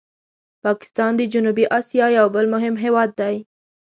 پاکستان د جنوبي آسیا یو بل مهم هېواد دی.